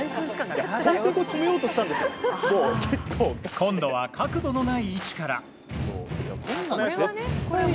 今度は角度のない位置から。